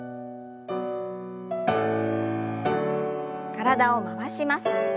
体を回します。